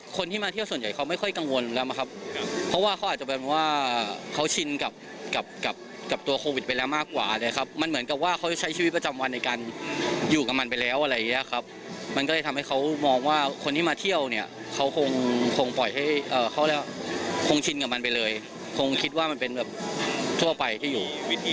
คงคิดว่ามันเป็นแบบทั่วไปที่อยู่